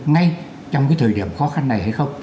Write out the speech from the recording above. ngay trong cái thời điểm khó khăn này hay không